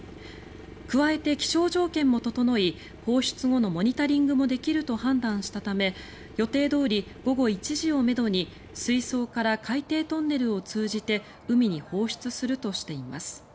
加えて気象条件も整い放出後のモニタリングもできると判断したため予定どおり午後１時をめどに水槽から海底トンネルを通じて海に放出するとしています。